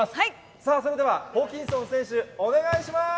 さあ、それではホーキンソン選手、お願いします。